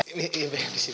ini be di sini